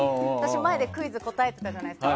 前でクイズ答えてたじゃないですか。